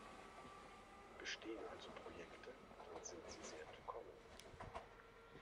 Bestehen also Projekte, dann sind sie sehr willkommen.